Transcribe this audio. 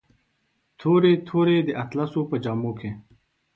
تورې، تورې د اطلسو په جامو کې